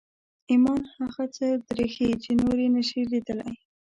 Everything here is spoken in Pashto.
ایمان هغه څه درښيي چې نور یې نشي لیدلی